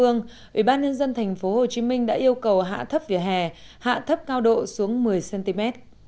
ubnd tp hcm đã yêu cầu hạ thấp vỉa hè hạ thấp cao độ xuống một mươi cm